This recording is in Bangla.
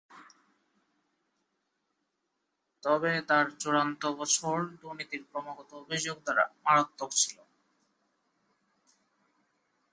তবে, তার চূড়ান্ত বছর দুর্নীতির ক্রমাগত অভিযোগ দ্বারা মারাত্মক ছিল।